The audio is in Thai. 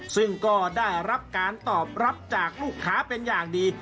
ซึ่งก็ได้รับการตอบรับจากลูกค้าเป็นอย่างดี